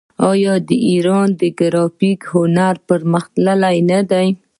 آیا د ایران ګرافیک هنر پرمختللی نه دی؟